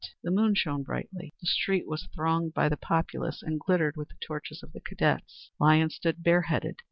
The moon shone brightly. The street was thronged by the populace, and glittered with the torches of the cadets. Lyons stood bareheaded.